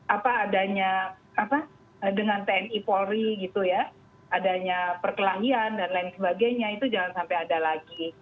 apa adanya apa dengan tni polri gitu ya adanya perkelahian dan lain sebagainya itu jangan sampai ada lagi